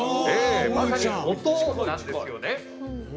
まさに音なんですよね。